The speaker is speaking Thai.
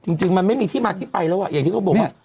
จริงมันไม่มีที่มาที่ไปแล้วอ่ะอย่างที่เขาบอกว่า